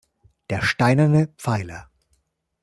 Der "Steinerne Pfeiler.